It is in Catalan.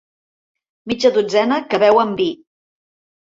Mitja dotzena que beuen vi.